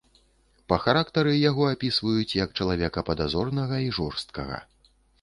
Па характары яго апісваюць як чалавека падазронага і жорсткага.